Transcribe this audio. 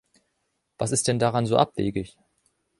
Was ist denn daran so abwegig?